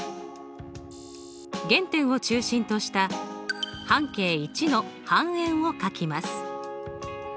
原点を中心とした半径１の半円をかきます。